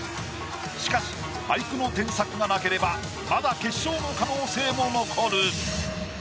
しかし俳句の添削がなければまだ決勝の可能性も残る。